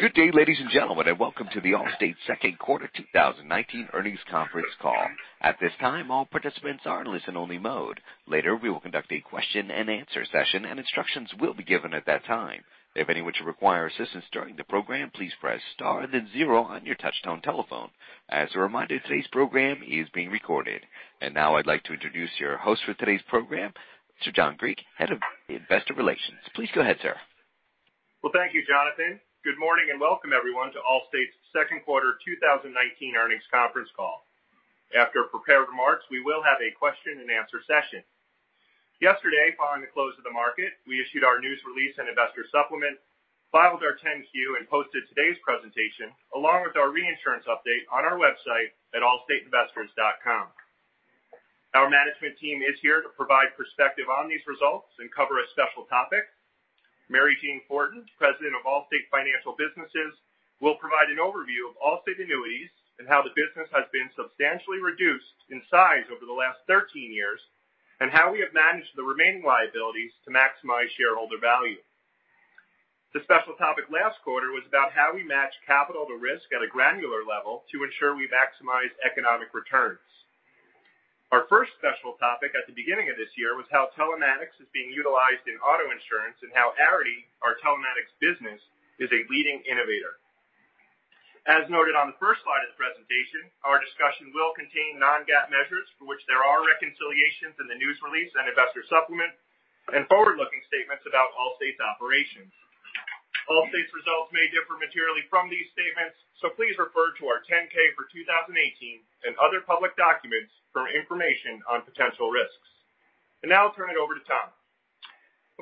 Good day, ladies and gentlemen. Welcome to the Allstate Q2 2019 earnings conference call. At this time, all participants are in listen only mode. Later, we will conduct a question and answer session. Instructions will be given at that time. If any of you require assistance during the program, please press star then zero on your touch-tone telephone. As a reminder, today's program is being recorded. Now I'd like to introduce your host for today's program, Mr. John Griek, Head of Investor Relations. Please go ahead, sir. Thank you, Jonathan. Good morning. Welcome everyone to Allstate's Q2 2019 earnings conference call. After prepared remarks, we will have a question and answer session. Yesterday, following the close of the market, we issued our news release and investor supplement, filed our 10-Q, and posted today's presentation along with our reinsurance update on our website at allstateinvestors.com. Our management team is here to provide perspective on these results and cover a special topic. Mary Jane Fortin, President of Allstate Financial, will provide an overview of Allstate Annuities and how the business has been substantially reduced in size over the last 13 years. How we have managed the remaining liabilities to maximize shareholder value. The special topic last quarter was about how we match capital to risk at a granular level to ensure we maximize economic returns. Our first special topic at the beginning of this year was how telematics is being utilized in auto insurance and how Arity, our telematics business, is a leading innovator. As noted on the first slide of the presentation, our discussion will contain non-GAAP measures for which there are reconciliations in the news release and investor supplement. Forward-looking statements about Allstate's operations. Allstate's results may differ materially from these statements, so please refer to our 10-K for 2018 and other public documents for information on potential risks. Now I'll turn it over to Tom.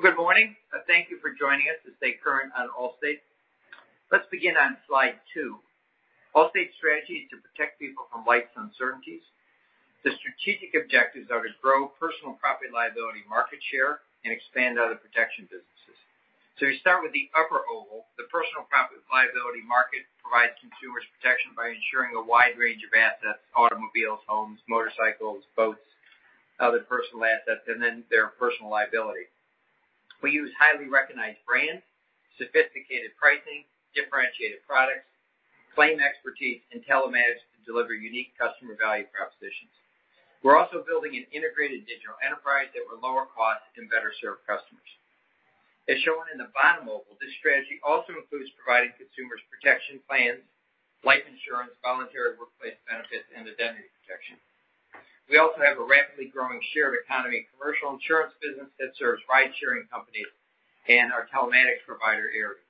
Good morning. Thank you for joining us to stay current on Allstate. Let's begin on slide two. Allstate's strategy is to protect people from life's uncertainties. The strategic objectives are to grow personal property-liability market share and expand other protection businesses. We start with the upper oval. The personal property-liability market provides consumers protection by ensuring a wide range of assets, automobiles, homes, motorcycles, boats, other personal assets, then their personal liability. We use highly recognized brands, sophisticated pricing, differentiated products, claim expertise, and telematics to deliver unique customer value propositions. We're also building an integrated digital enterprise that will lower costs and better serve customers. As shown in the bottom oval, this strategy also includes providing consumers protection plans, life insurance, voluntary workplace benefits, and identity protection. We also have a rapidly growing shared economy commercial insurance business that serves ride-sharing companies and our telematics provider Arity.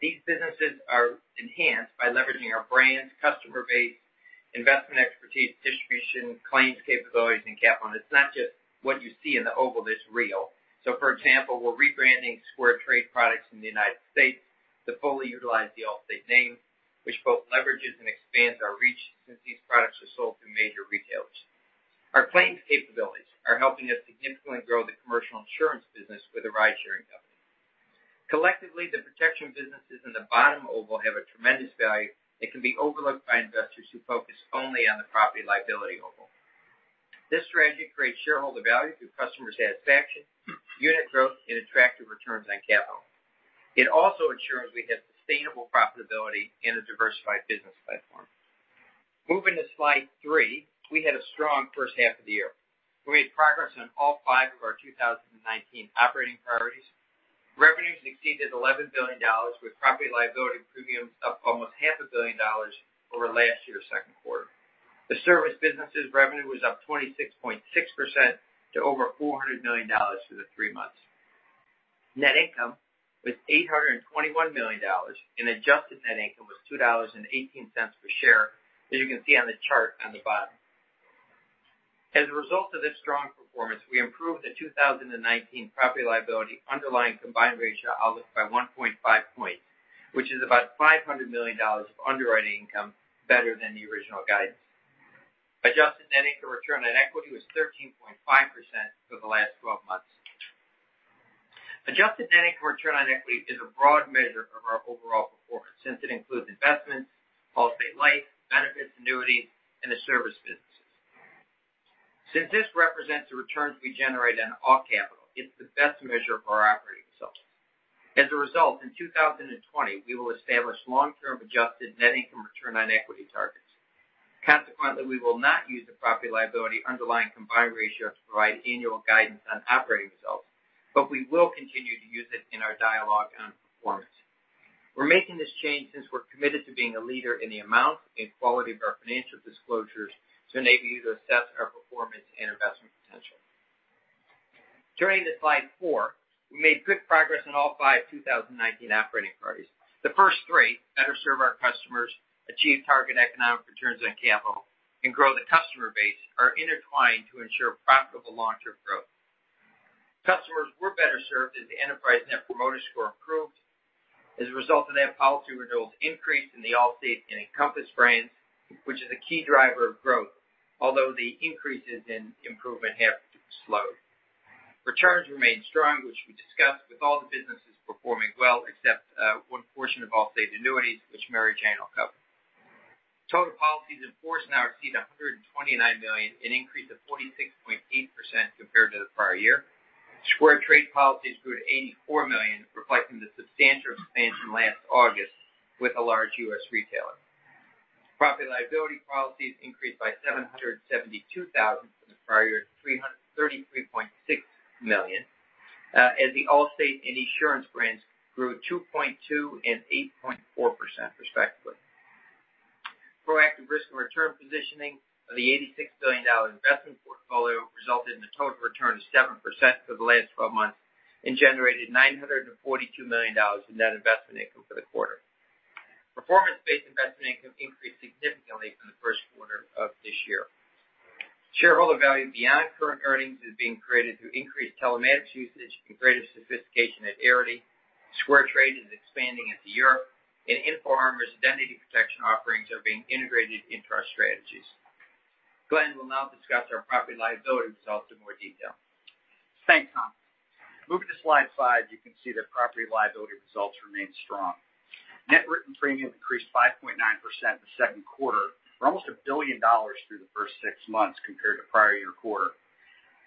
These businesses are enhanced by leveraging our brand, customer base, investment expertise, distribution, claims capabilities, and capital, and it's not just what you see in the oval that's real. For example, we're rebranding SquareTrade products in the U.S. to fully utilize the Allstate name, which both leverages and expands our reach since these products are sold through major retailers. Our claims capabilities are helping us significantly grow the commercial insurance business with the ride-sharing companies. Collectively, the protection businesses in the bottom oval have a tremendous value that can be overlooked by investors who focus only on the property-liability oval. This strategy creates shareholder value through customer satisfaction, unit growth, and attractive returns on capital. It also ensures we have sustainable profitability in a diversified business platform. Moving to slide three, we had a strong first half of the year. We made progress on all five of our 2019 operating priorities. Revenues exceeded $11 billion, with property-liability premiums up almost half a billion dollars over last year's second quarter. The service businesses revenue was up 26.6% to over $400 million through the three months. Net income was $821 million, and adjusted net income was $2.18 per share, as you can see on the chart on the bottom. As a result of this strong performance, we improved the 2019 property-liability underlying combined ratio outlook by 1.5 points, which is about $500 million of underwriting income better than the original guidance. Adjusted net income return on equity was 13.5% for the last 12 months. Adjusted net income return on equity is a broad measure of our overall performance since it includes investments, Allstate Life, Allstate Benefits, Allstate Annuities, and the service businesses. Since this represents the returns we generate on all capital, it's the best measure of our operating results. As a result, in 2020, we will establish long-term adjusted net income return on equity targets. Consequently, we will not use the property-liability underlying combined ratio to provide annual guidance on operating results, but we will continue to use it in our dialogue on performance. We're making this change since we're committed to being a leader in the amount and quality of our financial disclosures to enable you to assess our performance and investment potential. Turning to slide four, we made good progress on all five 2019 operating priorities. The first three, better serve our customers, achieve target economic returns on capital, and grow the customer base, are intertwined to ensure profitable long-term growth. Customers were better served as the enterprise Net Promoter Score improved as a result of that policy renewals increase in the Allstate and Encompass brands, which is a key driver of growth. Although the increases in improvement have slowed. Returns remained strong, which we discussed with all the businesses performing well except one portion of Allstate Annuities, which Mary Jane will cover. In force now exceeds $129 million, an increase of 46.8% compared to the prior year. SquareTrade policies grew to $84 million, reflecting the substantial expansion last August with a large U.S. retailer. Property-liability policies increased by $772,000 from the prior year to $333.6 million, as the Allstate and Esurance brands grew 2.2% and 8.4%, respectively. Proactive risk and return positioning of the $86 billion investment portfolio resulted in a total return of 7% for the last 12 months and generated $942 million in net investment income for the quarter. Performance-based investment income increased significantly from the first quarter of this year. Shareholder value beyond current earnings is being created through increased telematics usage and greater sophistication at Arity. SquareTrade is expanding into Europe, and InfoArmor's identity protection offerings are being integrated into our strategies. Glenn will now discuss our property and liability results in more detail. Thanks, Tom. Moving to slide five, you can see that property and liability results remain strong. Net written premium increased 5.9% in the second quarter, or almost $1 billion through the first six months compared to prior year quarter.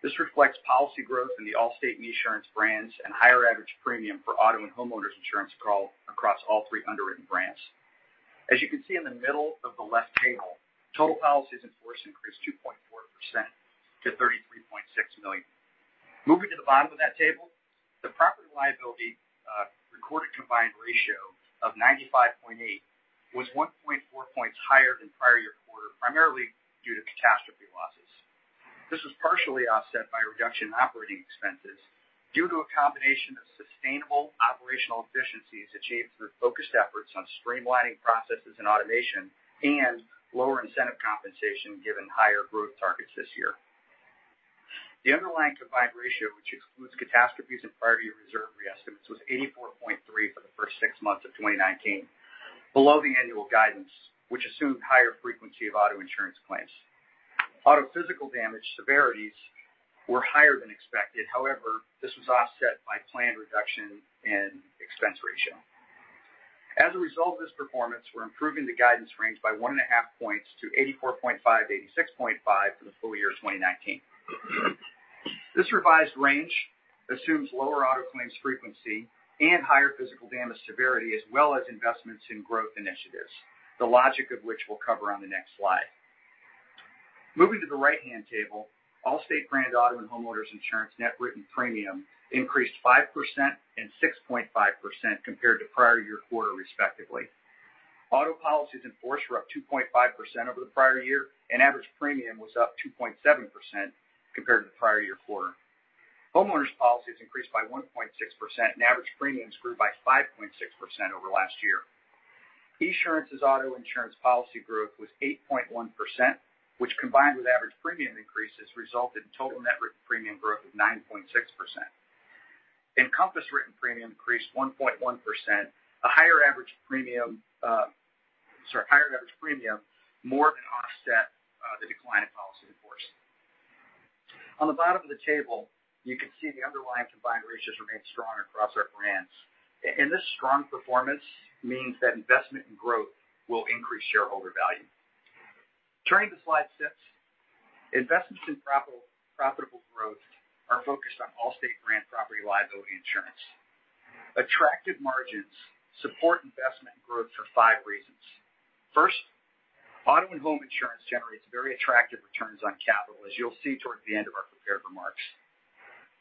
This reflects policy growth in the Allstate and Esurance brands and higher average premium for auto and homeowners insurance across all three underwritten brands. As you can see in the middle of the left table, total policies in force increased 2.4% to 33.6 million. Moving to the bottom of that table, the property and liability recorded combined ratio of 95.8 was 1.4 points higher than prior year quarter, primarily due to catastrophe losses. This was partially offset by a reduction in operating expenses due to a combination of sustainable operational efficiencies achieved through focused efforts on streamlining processes and automation and lower incentive compensation, given higher growth targets this year. The underlying combined ratio, which excludes catastrophes and prior year reserve re-estimates, was 84.3 for the first six months of 2019, below the annual guidance, which assumed higher frequency of auto insurance claims. Auto physical damage severities were higher than expected. However, this was offset by planned reduction in expense ratio. As a result of this performance, we're improving the guidance range by 1.5 points to 84.5-86.5 for the full year 2019. This revised range assumes lower auto claims frequency and higher physical damage severity, as well as investments in growth initiatives, the logic of which we'll cover on the next slide. Moving to the right-hand table, Allstate brand auto and homeowners insurance net written premium increased 5% and 6.5% compared to prior year quarter, respectively. Auto policies in force were up 2.5% over the prior year, and average premium was up 2.7% compared to the prior year quarter. Homeowners policies increased by 1.6%, and average premiums grew by 5.6% over last year. Esurance's auto insurance policy growth was 8.1%, which, combined with average premium increases, resulted in total net written premium growth of 9.6%. Encompass written premium increased 1.1%. A higher average premium more than offset the decline in policy in force. On the bottom of the table, you can see the underlying combined ratios remain strong across our brands. This strong performance means that investment and growth will increase shareholder value. Turning to slide six, investments in profitable growth are focused on Allstate brand property and liability insurance. Attractive margins support investment and growth for five reasons. First, auto and home insurance generates very attractive returns on capital, as you'll see toward the end of our prepared remarks.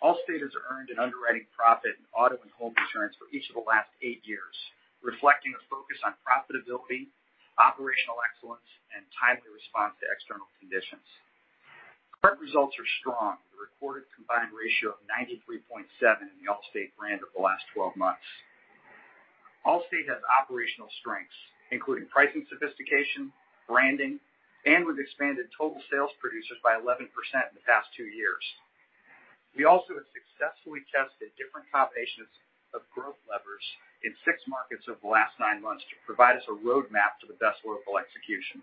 Allstate has earned an underwriting profit in auto and home insurance for each of the last eight years, reflecting a focus on profitability, operational excellence, and timely response to external conditions. Current results are strong, with a recorded combined ratio of 93.7 in the Allstate brand over the last 12 months. Allstate has operational strengths, including pricing sophistication, branding, and we've expanded total sales producers by 11% in the past two years. We also have successfully tested different combinations of growth levers in six markets over the last nine months to provide us a roadmap to the best local execution.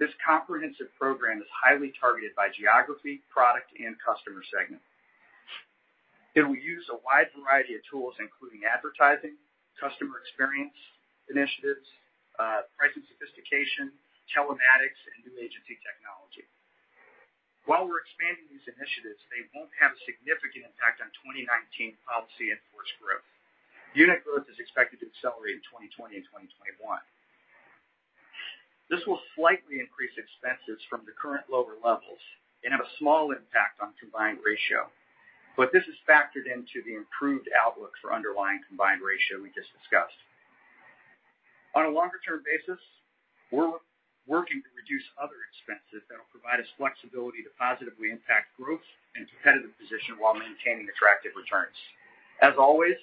This comprehensive program is highly targeted by geography, product, and customer segment. It will use a wide variety of tools, including advertising, customer experience initiatives, pricing sophistication, telematics, and new agency technology. While we're expanding these initiatives, they won't have a significant impact on 2019 policy in force growth. Unit growth is expected to accelerate in 2020 and 2021. This will slightly increase expenses from the current lower levels and have a small impact on combined ratio. This is factored into the improved outlook for underlying combined ratio we just discussed. On a longer-term basis, we're working to reduce other expenses that'll provide us flexibility to positively impact growth and competitive position while maintaining attractive returns. As always,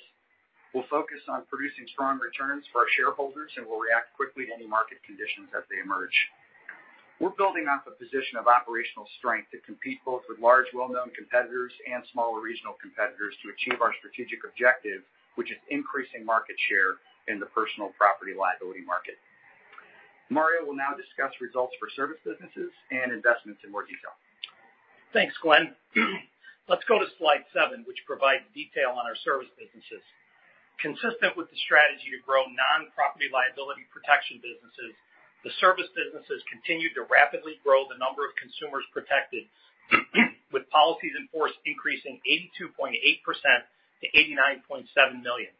we'll focus on producing strong returns for our shareholders. We'll react quickly to any market conditions as they emerge. We're building off a position of operational strength to compete both with large, well-known competitors and smaller regional competitors to achieve our strategic objective, which is increasing market share in the personal property and liability market. Mario will now discuss results for service businesses and investments in more detail. Thanks, Glenn. Let's go to slide seven, which provides detail on our service businesses. Consistent with the strategy to grow non-property liability protection businesses, the service businesses continue to rapidly grow the number of consumers protected, with policies in force increasing 82.8% to 89.7 million.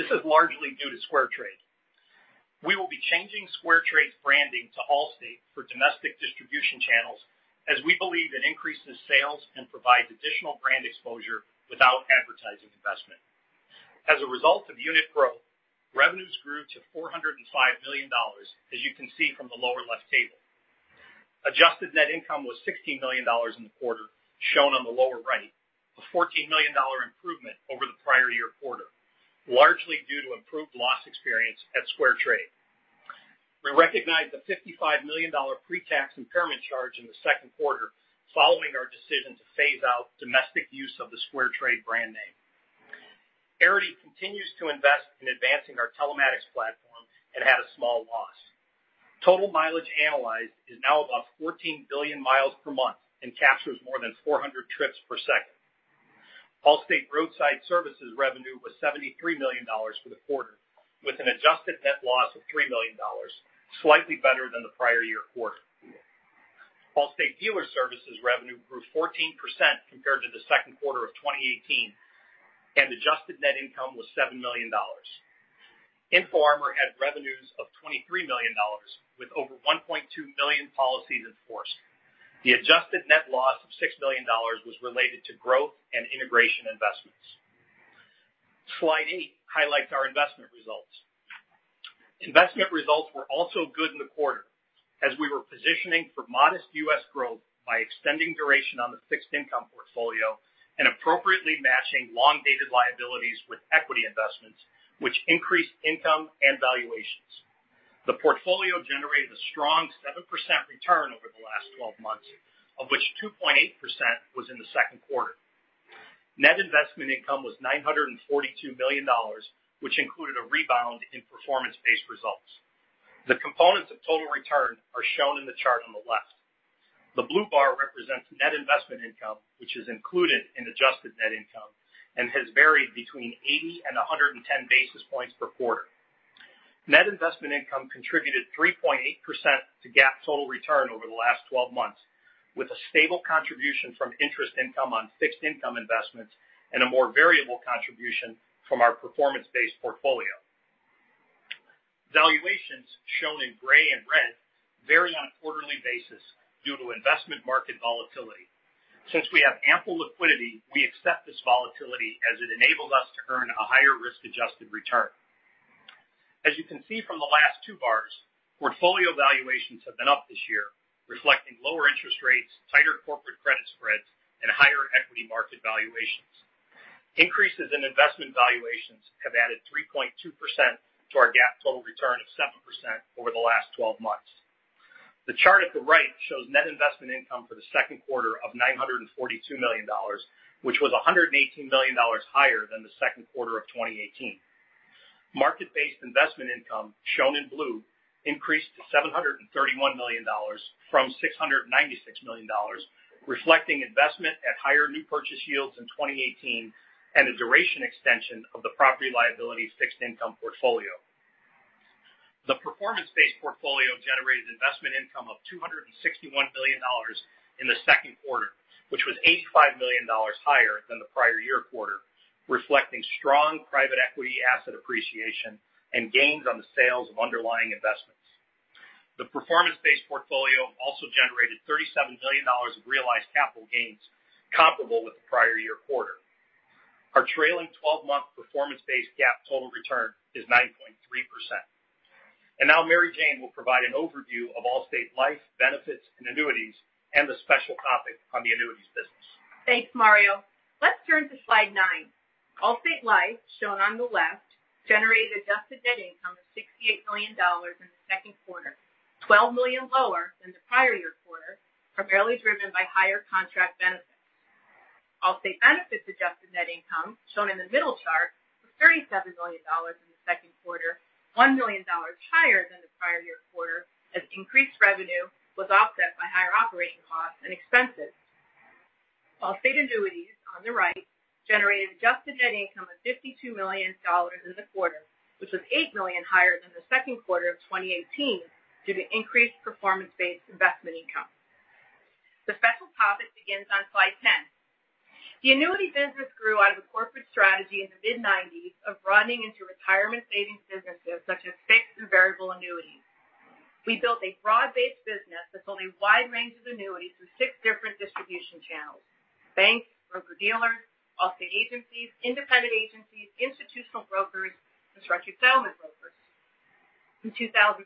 This is largely due to SquareTrade. We will be changing SquareTrade's branding to Allstate for domestic distribution channels, as we believe it increases sales and provides additional brand exposure without advertising investment. As a result of unit growth, revenues grew to $405 million, as you can see from the lower left table. Adjusted net income was $16 million in the quarter, shown on the lower right, a $14 million improvement over the prior year quarter, largely due to improved loss experience at SquareTrade. We recognized a $55 million pre-tax impairment charge in the second quarter following our decision to phase out domestic use of the SquareTrade brand name. Arity continues to invest in advancing our telematics platform and had a small loss. Total mileage analyzed is now about 14 billion miles per month and captures more than 400 trips per second. Allstate Roadside Services revenue was $73 million for the quarter, with an adjusted net loss of $3 million, slightly better than the prior year quarter. Allstate Dealer Services revenue grew 14% compared to the second quarter of 2018, and adjusted net income was $7 million. InfoArmor had revenues of $23 million, with over 1.2 million policies in force. The adjusted net loss of $6 million was related to growth and integration investments. Slide eight highlights our investment results. Investment results were also good in the quarter as we were positioning for modest U.S. growth by extending duration on the fixed income portfolio and appropriately matching long-dated liabilities with equity investments, which increased income and valuations. The portfolio generated a strong 7% return over the last 12 months, of which 2.8% was in the second quarter. Net investment income was $942 million, which included a rebound in performance-based results. The components of total return are shown in the chart on the left. The blue bar represents net investment income, which is included in adjusted net income and has varied between 80 and 110 basis points per quarter. Net investment income contributed 3.8% to GAAP total return over the last 12 months, with a stable contribution from interest income on fixed income investments and a more variable contribution from our performance-based portfolio. Valuations, shown in gray and red, vary on a quarterly basis due to investment market volatility. Since we have ample liquidity, we accept this volatility as it enables us to earn a higher risk-adjusted return. As you can see from the last two bars, portfolio valuations have been up this year, reflecting lower interest rates, tighter corporate credit spreads, and higher equity market valuations. Increases in investment valuations have added 3.2% to our GAAP total return of 7% over the last 12 months. The chart at the right shows net investment income for the second quarter of $942 million, which was $118 million higher than the second quarter of 2018. Market-based investment income, shown in blue, increased to $731 million from $696 million, reflecting investment at higher new purchase yields in 2018 and a duration extension of the property liability fixed income portfolio. The performance-based portfolio generated investment income of $261 million in the second quarter, which was $85 million higher than the prior year quarter, reflecting strong private equity asset appreciation and gains on the sales of underlying investments. The performance-based portfolio also generated $37 million of realized capital gains comparable with the prior year quarter. Our trailing 12-month performance-based GAAP total return is 9.3%. Now Mary Jane will provide an overview of Allstate Life, Benefits, and Annuities, and the special topic on the annuities business. Thanks, Mario. Let's turn to slide nine. Allstate Life, shown on the left, generated adjusted net income of $68 million in the second quarter, $12 million lower than the prior year quarter, primarily driven by higher contract benefits. Allstate Benefits adjusted net income, shown in the middle chart, was $37 million in the second quarter, $1 million higher than the prior year quarter, as increased revenue was offset by higher operating costs and expenses. Allstate Annuities, on the right, generated adjusted net income of $52 million in the quarter, which was $8 million higher than the second quarter of 2018 due to increased performance-based investment income. The special topic begins on slide 10. The annuity business grew out of a corporate strategy in the mid-'90s of running into retirement savings businesses such as fixed and variable annuities. We built a broad-based business that sold a wide range of annuities through six different distribution channels, banks, broker-dealers, Allstate agencies, independent agencies, institutional brokers, and structured settlement brokers. In 2006,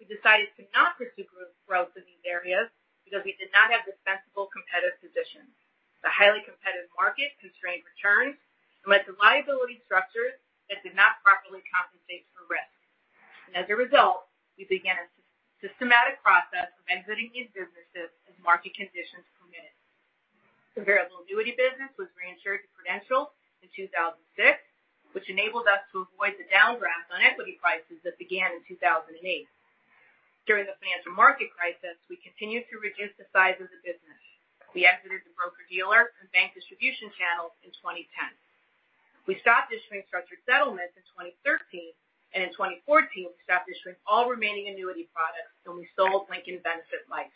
we decided to not pursue growth in these areas because we did not have defensible competitive positions. It's a highly competitive market, constrained returns, and with the liability structures that did not properly compensate for risk. As a result, we began a systematic process of exiting these businesses as market conditions permitted. The variable annuity business was reinsured to Prudential in 2006, which enabled us to avoid the downdraft on equity prices that began in 2008. During the financial market crisis, we continued to reduce the size of the business. We exited the broker-dealer and bank distribution channels in 2010. We stopped issuing structured settlements in 2013, and in 2014, we stopped issuing all remaining annuity products when we sold Lincoln Benefit Life.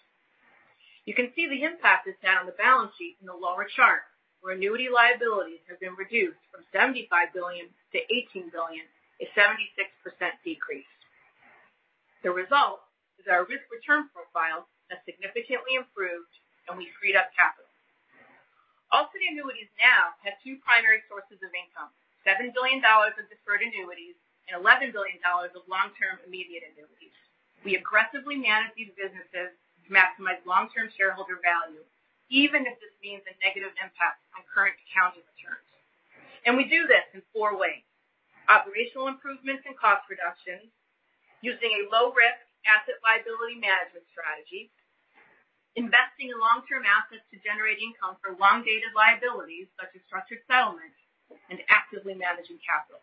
You can see the impact this had on the balance sheet in the lower chart, where annuity liabilities have been reduced from $75 billion to $18 billion, a 76% decrease. The result is our risk-return profile has significantly improved, and we freed up capital. Allstate Annuities now has two primary sources of income, $7 billion of deferred annuities and $11 billion of long-term immediate annuities. We aggressively manage these businesses to maximize long-term shareholder value, even if this means a negative impact on current accounting returns. We do this in four ways: operational improvements and cost reductions, using a low-risk asset liability management strategy, investing in long-term assets to generate income for long-dated liabilities such as structured settlements, and actively managing capital.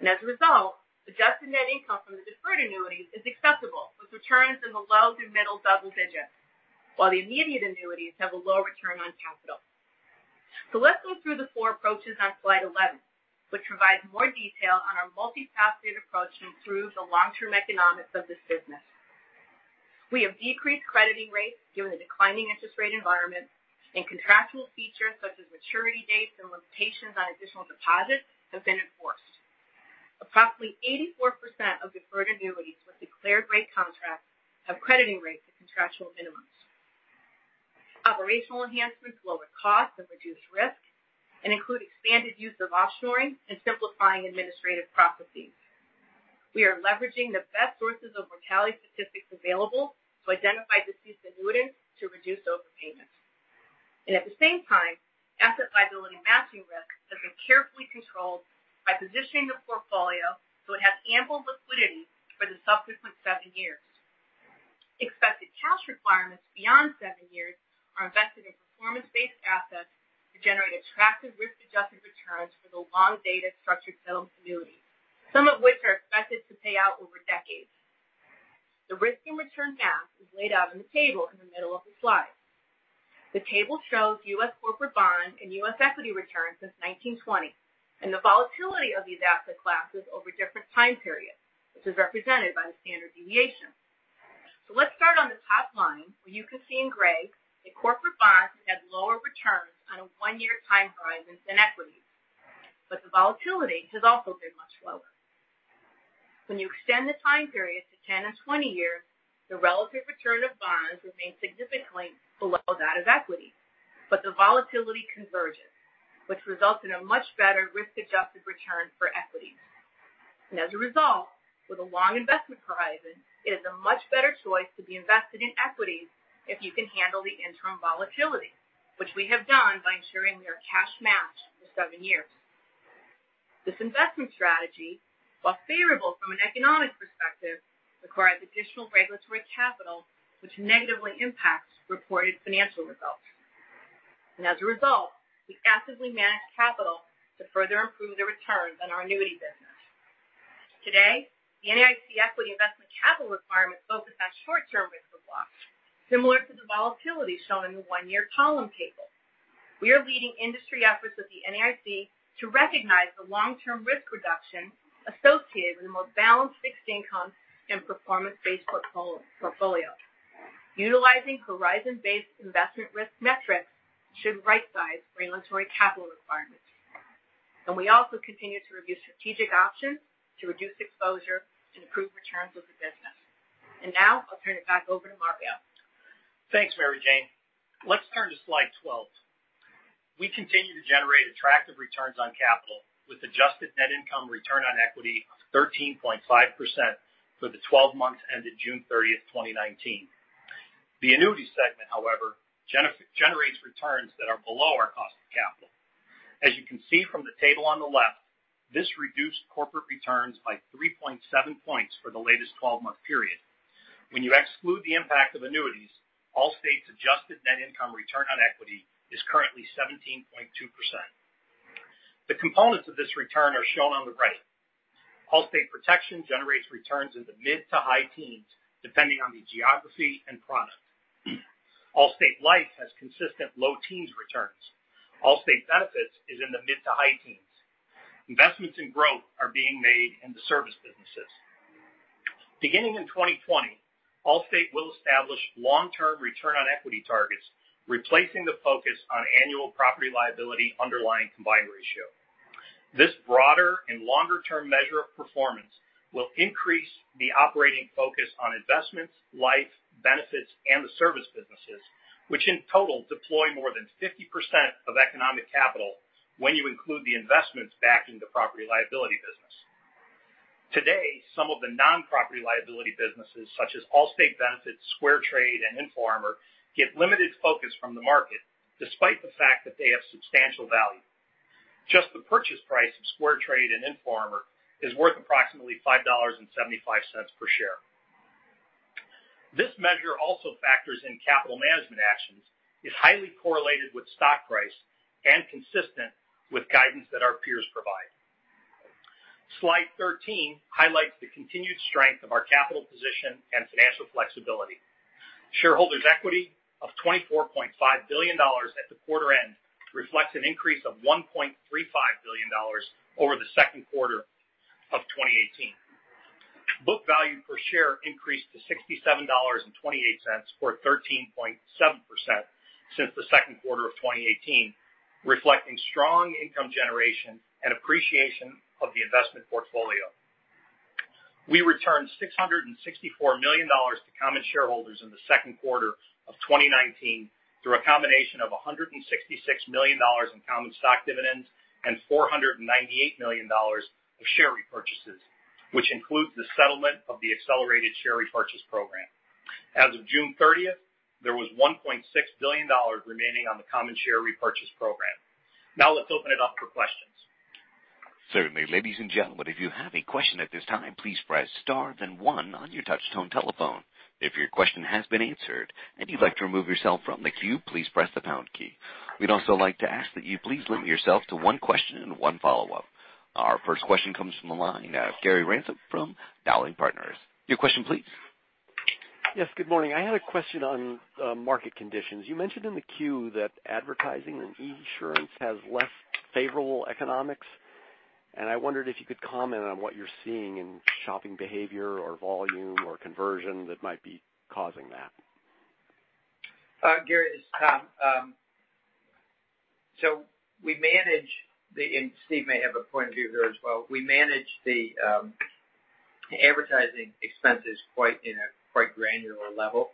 As a result, adjusted net income from the deferred annuities is acceptable, with returns in the low to middle double digits, while the immediate annuities have a low return on capital. Let's go through the four approaches on slide 11, which provides more detail on our multi-faceted approach to improve the long-term economics of this business. We have decreased crediting rates given the declining interest rate environment and contractual features such as maturity dates and limitations on additional deposits have been enforced. Approximately 84% of deferred annuities with declared rate contracts have crediting rates at contractual minimums. Operational enhancements lower costs and reduce risk and include expanded use of offshoring and simplifying administrative processes. We are leveraging the best sources of mortality statistics available to identify deceased annuitants to reduce overpayments. At the same time, asset liability matching risk has been carefully controlled by positioning the portfolio so it has ample liquidity for the subsequent seven years. Expected cash requirements beyond seven years are invested in performance-based assets to generate attractive risk-adjusted returns for the long-dated structured settlement annuities, some of which are expected to pay out over decades. The risk and return math is laid out in the table in the middle of the slide. The table shows U.S. corporate bonds and U.S. equity returns since 1920 and the volatility of these asset classes over different time periods, which is represented by the standard deviation. Let's start on the top line where you can see in gray that corporate bonds had lower returns on a one-year time horizon than equities, but the volatility has also been much lower. When you extend the time period to 10 and 20 years, the relative return of bonds remains significantly below that of equity. The volatility converges, which results in a much better risk-adjusted return for equities. As a result, with a long investment horizon, it is a much better choice to be invested in equities if you can handle the interim volatility, which we have done by ensuring we are cash-matched for seven years. This investment strategy, while favorable from an economic perspective, requires additional regulatory capital, which negatively impacts reported financial results. As a result, we actively manage capital to further improve the returns on our annuity business. Today, the NAIC equity investment capital requirements focus on short-term risks of loss, similar to the volatility shown in the one-year column table. We are leading industry efforts with the NAIC to recognize the long-term risk reduction associated with a more balanced fixed income and performance-based portfolio. Utilizing horizon-based investment risk metrics should right-size regulatory capital requirements. We also continue to review strategic options to reduce exposure and improve returns of the business. Now I'll turn it back over to Mario. Thanks, Mary Jane. Let's turn to slide 12. We continue to generate attractive returns on capital with adjusted net income return on equity of 13.5% for the 12 months ended June 30th, 2019. The annuity segment, however, generates returns that are below our cost of capital. As you can see from the table on the left, this reduced corporate returns by 3.7 points for the latest 12-month period. When you exclude the impact of annuities, Allstate's adjusted net income return on equity is currently 17.2%. The components of this return are shown on the right. Allstate Protection generates returns in the mid to high teens, depending on the geography and product. Allstate Life has consistent low teens returns. Allstate Benefits is in the mid to high teens. Investments in growth are being made in the service businesses. Beginning in 2020, Allstate will establish long-term return on equity targets, replacing the focus on annual property-liability underlying combined ratio. This broader and longer-term measure of performance will increase the operating focus on investments, life, benefits, and the service businesses, which in total deploy more than 50% of economic capital when you include the investments backing the property-liability business. Today, some of the non-property-liability businesses, such as Allstate Benefits, SquareTrade, and InfoArmor, get limited focus from the market, despite the fact that they have substantial value. Just the purchase price of SquareTrade and InfoArmor is worth approximately $5.75 per share. This measure also factors in capital management actions, is highly correlated with stock price, and consistent with guidance that our peers provide. Slide 13 highlights the continued strength of our capital position and financial flexibility. Shareholders' equity of $24.5 billion at the quarter end reflects an increase of $1.35 billion over the second quarter of 2018. Book value per share increased to $67.28 or 13.7% since the second quarter of 2018, reflecting strong income generation and appreciation of the investment portfolio. We returned $664 million to common shareholders in the second quarter of 2019 through a combination of $166 million in common stock dividends and $498 million of share repurchases, which includes the settlement of the accelerated share repurchase program. As of June 30th, there was $1.6 billion remaining on the common share repurchase program. Let's open it up for questions. Certainly. Ladies and gentlemen, if you have a question at this time, please press star then one on your touch-tone telephone. If your question has been answered and you'd like to remove yourself from the queue, please press the pound key. We'd also like to ask that you please limit yourself to one question and one follow-up. Our first question comes from the line of Gary Ransom from Dowling & Partners. Your question please. Yes, good morning. I had a question on market conditions. You mentioned in the queue that advertising and insurance has less favorable economics, and I wondered if you could comment on what you're seeing in shopping behavior or volume or conversion that might be causing that. Gary, this is Tom. Steve may have a point of view here as well. We manage the advertising expenses in a quite granular level,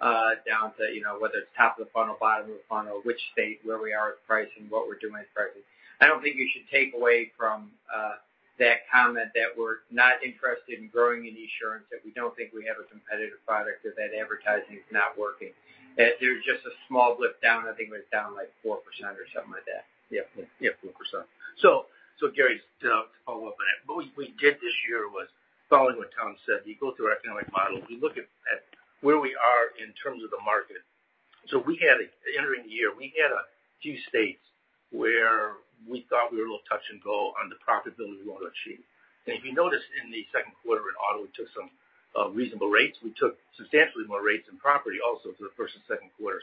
down to whether it's top of the funnel, bottom of the funnel, which state, where we are with pricing, what we're doing with pricing. I don't think you should take away from that comment that we're not interested in growing in insurance, that we don't think we have a competitive product, or that advertising is not working. There's just a small blip down. I think it was down like 4% or something like that. Yeah, 4%. Gary, to follow up on that, what we did this year was following what Tom said. We go through our economic model. We look at where we are in terms of the market. Entering the year, we had a few states where we thought we were a little touch and go on the profitability we want to achieve. If you notice in the second quarter in auto, we took some reasonable rates. We took substantially more rates in property also through the first and second quarter.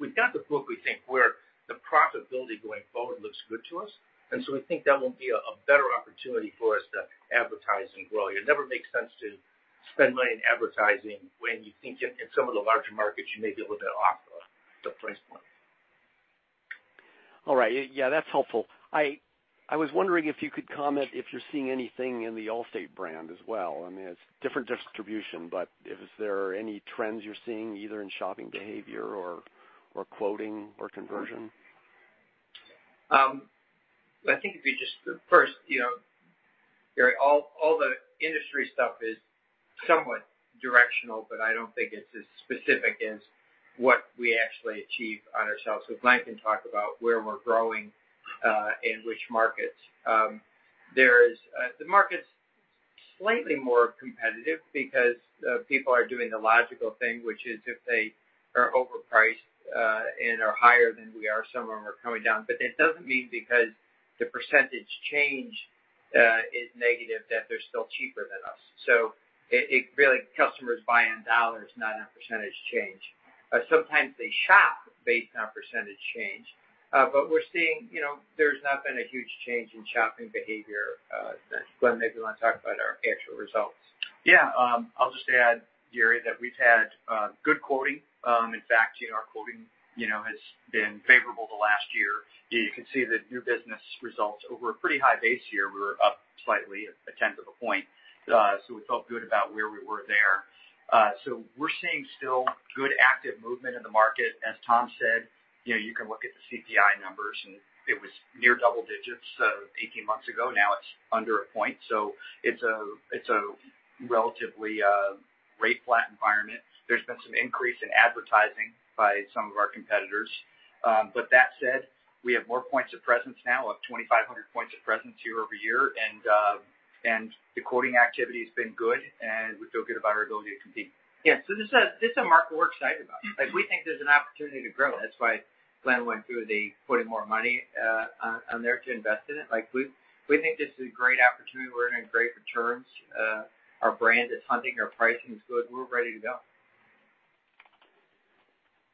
We've got the book, we think, where the profitability going forward looks good to us, and so we think that will be a better opportunity for us to advertise and grow. It never makes sense to spend money in advertising when you think in some of the larger markets, you may be a little bit off the price point. All right. Yeah, that's helpful. I was wondering if you could comment if you're seeing anything in the Allstate brand as well. I mean, it's different distribution, but is there any trends you're seeing either in shopping behavior or quoting or conversion? I think if you just, first, Gary, all the industry stuff is somewhat directional, but I don't think it's as specific as what we actually achieve on ourselves. Glenn can talk about where we're growing, and which markets. The market's slightly more competitive because people are doing the logical thing, which is if they are overpriced, and are higher than we are, some of them are coming down. It doesn't mean because the percentage change is negative, that they're still cheaper than us. Really, customers buy in dollars, not in a percentage change. Sometimes they shop based on percentage change. We're seeing there's not been a huge change in shopping behavior since. Glenn, maybe you want to talk about our actual results. I'll just add, Gary, that we've had good quoting. In fact, our quoting has been favorable to last year. You can see the new business results over a pretty high base year, were up slightly a tenth of a point. We felt good about where we were there. We're seeing still good active movement in the market. As Tom said, you can look at the CPI numbers, and it was near double digits, 18 months ago. Now it's under a point. It's a relatively rate flat environment. There's been some increase in advertising by some of our competitors. That said, we have more points of presence now, up 2,500 points of presence year-over-year. The quoting activity's been good, and we feel good about our ability to compete. This is a market we're excited about. We think there's an opportunity to grow. That's why Glenn went through the putting more money on there to invest in it. We think this is a great opportunity. We're going to have great returns. Our brand is hunting. Our pricing is good. We're ready to go.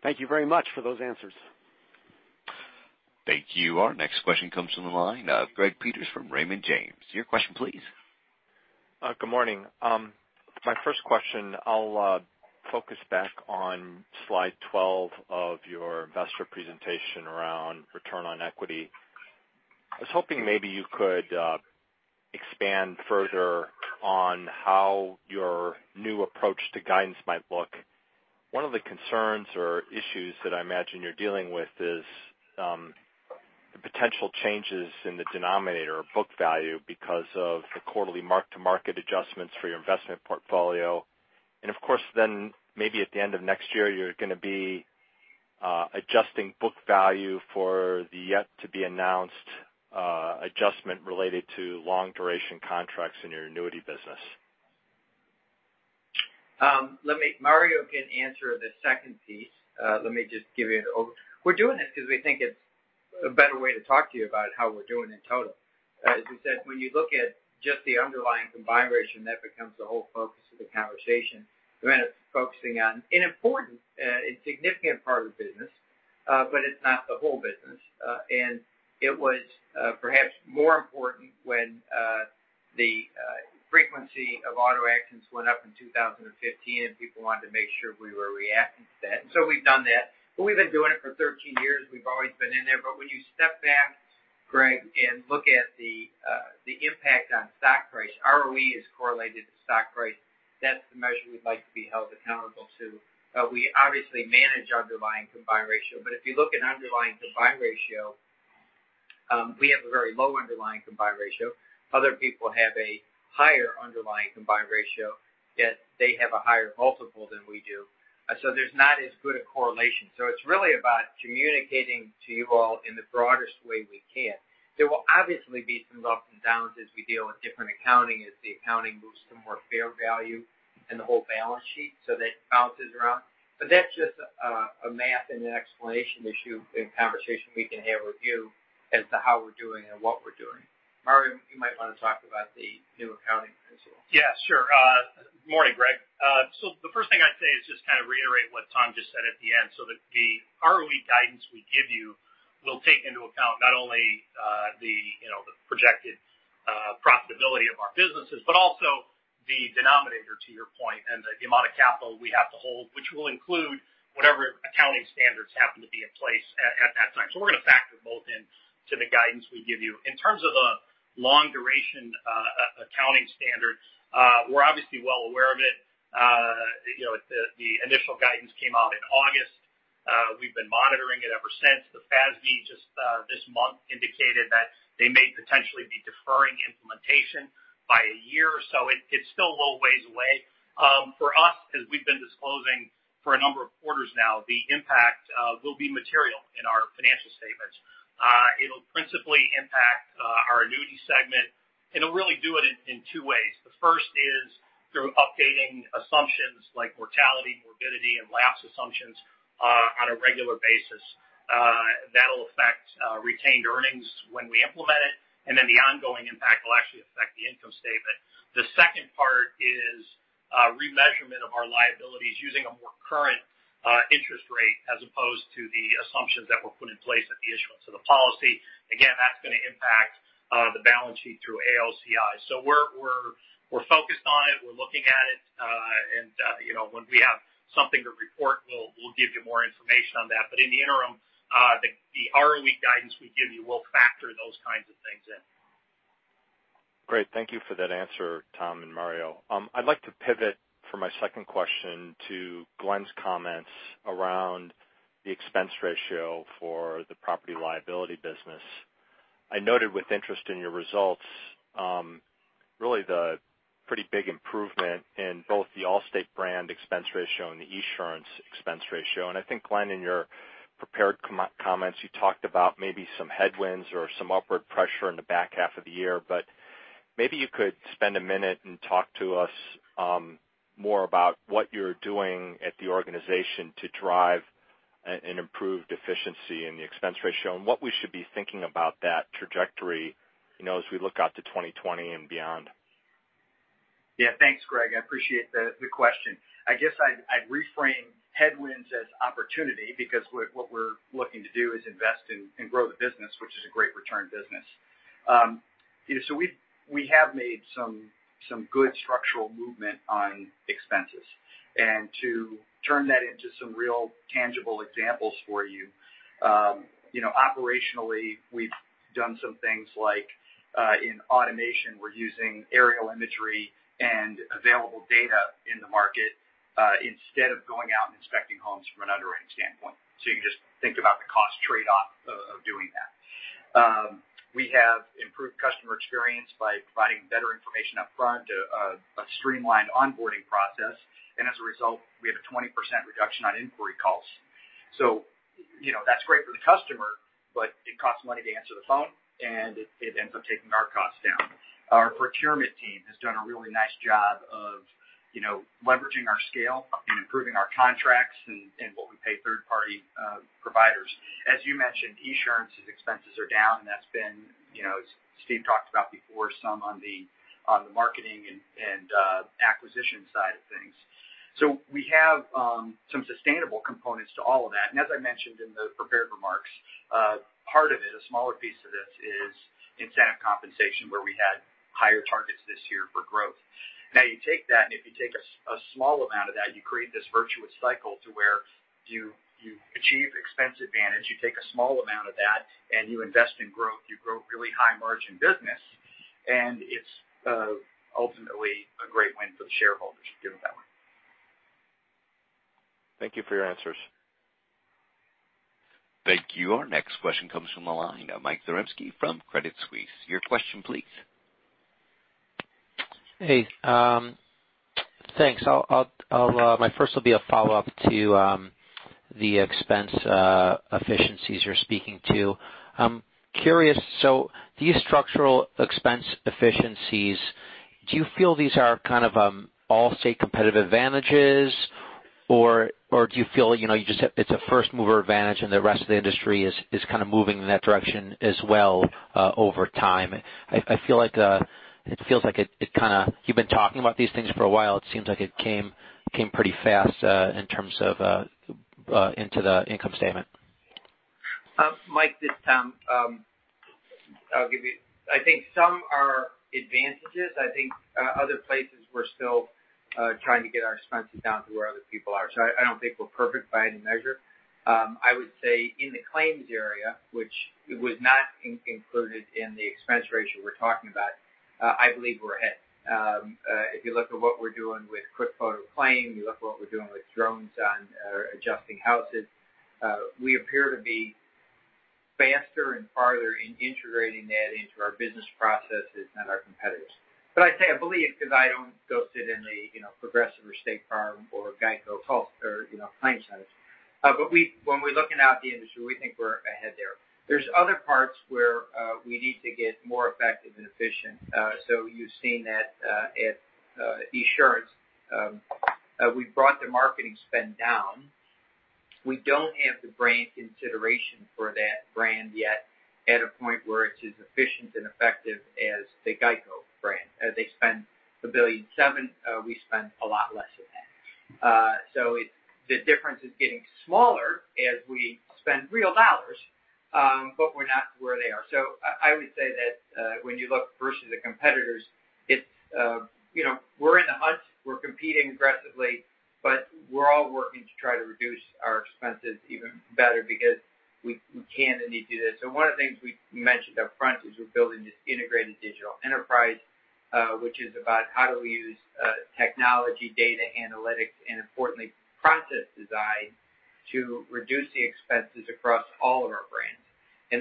Thank you very much for those answers. Thank you. Our next question comes from the line of Gregory Peters from Raymond James. Your question please. Good morning. My first question, I'll focus back on slide 12 of your investor presentation around return on equity. I was hoping maybe you could expand further on how your new approach to guidance might look. One of the concerns or issues that I imagine you're dealing with is the potential changes in the denominator or book value because of the quarterly mark-to-market adjustments for your investment portfolio. Of course, then maybe at the end of next year, you're going to be adjusting book value for the yet-to-be-announced adjustment related to long-duration contracts in your annuity business. Mario can answer the second piece. Let me just give you an overview. We're doing this because we think it's a better way to talk to you about how we're doing in total. As you said, when you look at just the underlying combined ratio, that becomes the whole focus of the conversation. We end up focusing on an important and significant part of the business, but it's not the whole business. It was perhaps more important when the frequency of auto actions went up in 2015, and people wanted to make sure we were reacting to that. So we've done that. We've been doing it for 13 years. We've always been in there. When you step back, Greg, and look at the impact on stock price, ROE is correlated to stock price. That's the measure we'd like to be held accountable to. We obviously manage underlying combined ratio, but if you look at underlying combined ratio, we have a very low underlying combined ratio. Other people have a higher underlying combined ratio, yet they have a higher multiple than we do. There's not as good a correlation. It's really about communicating to you all in the broadest way we can. There will obviously be some ups and downs as we deal with different accounting, as the accounting moves to more fair value in the whole balance sheet, so that it bounces around. That's just a math and an explanation issue and conversation we can have with you as to how we're doing and what we're doing. Mario, you might want to talk about the new accounting principle. Morning, Greg. The first thing I'd say is reiterate what Tom just said at the end, that the ROE guidance we give you will take into account not only the projected profitability of our businesses, but also the denominator to your point, and the amount of capital we have to hold, which will include whatever accounting standards happen to be in place at that time. We're going to factor both into the guidance we give you. In terms of the long-duration accounting standards, we're obviously well aware of it. The initial guidance came out in August. We've been monitoring it ever since. The FASB just this month indicated that they may potentially be deferring implementation by a year or so. It's still a little ways away. For us, as we've been disclosing for a number of quarters now, the impact will be material in our financial statements. It'll principally impact our annuity segment, and it'll really do it in two ways. The first is through updating assumptions like mortality, morbidity, and lapse assumptions on a regular basis. That'll affect retained earnings when we implement it, and then the ongoing impact will actually affect the income statement. The second part is remeasurement of our liabilities using a more current interest rate as opposed to the assumptions that were put in place at the issuance of the policy. Again, that's going to impact the balance sheet through AOCI. We're focused on it. We're looking at it. When we have something to report, we'll give you more information on that. In the interim, the ROE guidance we give you will factor those kinds of things in. Great. Thank you for that answer, Tom and Mario. I'd like to pivot for my second question to Glenn's comments around the expense ratio for the Property-Liability business. I noted with interest in your results, really the pretty big improvement in both the Allstate brand expense ratio and the Esurance expense ratio. I think, Glenn, in your prepared comments, you talked about maybe some headwinds or some upward pressure in the back half of the year, maybe you could spend a minute and talk to us more about what you're doing at the organization to drive an improved efficiency in the expense ratio, and what we should be thinking about that trajectory as we look out to 2020 and beyond. Thanks, Greg. I appreciate the question. I guess I'd reframe headwinds as opportunity because what we're looking to do is invest in and grow the business, which is a great return business. We have made some good structural movement on expenses. To turn that into some real tangible examples for you, operationally, we've done some things like, in automation, we're using aerial imagery and available data in the market instead of going out and inspecting homes from an underwriting standpoint. You can just think about the cost trade-off of doing that. We have improved customer experience by providing better information upfront, a streamlined onboarding process, and as a result, we have a 20% reduction on inquiry calls. That's great for the customer, it costs money to answer the phone, it ends up taking our costs down. Our procurement team has done a really nice job of leveraging our scale and improving our contracts and what we pay third-party providers. As you mentioned, Esurance's expenses are down, and that's been, as Steve talked about before, some on the marketing and acquisition side of things. We have some sustainable components to all of that. As I mentioned in the prepared remarks, part of it, a smaller piece of this is incentive compensation, where we had higher targets this year for growth. You take that, and if you take a small amount of that, you create this virtuous cycle to where you achieve expense advantage, you take a small amount of that, and you invest in growth, you grow really high-margin business, and it's ultimately a great win for the shareholders if you do it that way. Thank you for your answers. Thank you. Our next question comes from the line of Michael Zaremski from Credit Suisse. Your question, please. Hey, thanks. My first will be a follow-up to the expense efficiencies you're speaking to. I'm curious, these structural expense efficiencies, do you feel these are kind of Allstate competitive advantages, or do you feel it's a first-mover advantage and the rest of the industry is kind of moving in that direction as well over time? It feels like you've been talking about these things for a while. It seems like it came pretty fast in terms of into the income statement. Mike, this is Tom. I think some are advantages. I think other places we're still trying to get our expenses down to where other people are. I don't think we're perfect by any measure. I would say in the claims area, which was not included in the expense ratio we're talking about, I believe we're ahead. If you look at what we're doing with QuickFoto Claim, you look at what we're doing with drones on adjusting houses, we appear to be faster and farther in integrating that into our business processes than our competitors. I say I believe because I don't go sit in the Progressive or State Farm or GEICO claims centers. When we're looking out at the industry, we think we're ahead there. There's other parts where we need to get more effective and efficient. You've seen that at Esurance, we've brought their marketing spend down. We don't have the brand consideration for that brand yet at a point where it's as efficient and effective as the GEICO brand. They spend $1.7 billion, we spend a lot less than that. The difference is getting smaller as we spend real dollars, but we're not where they are. I would say that when you look versus the competitors, we're in the hunt, we're competing aggressively, but we're all working to try to reduce our expenses even better because we can and need to do that. One of the things we mentioned up front is we're building this integrated digital enterprise, which is about how do we use technology, data analytics, and importantly, process design to reduce the expenses across all of our brands.